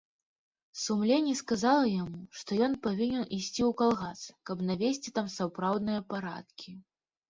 Сумленне сказала яму, што ён павінен ісці ў калгас, каб навесці там сапраўдныя парадкі.